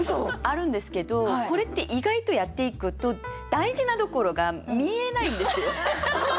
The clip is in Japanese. あるんですけどこれって意外とやっていくと大事なところが見えないんですよ！